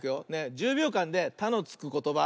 １０びょうかんで「た」のつくことばいくよ。